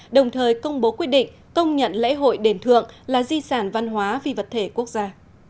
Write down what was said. đồng thời công bố quyết định công nhận lễ hội đền thượng là di sản văn hóa phi vật thể quốc gia